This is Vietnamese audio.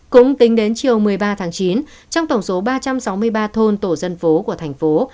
cũng tính đến chiều một mươi ba tháng chín trong tổng số ba trăm sáu mươi ba thôn tổ dân phố của thành phố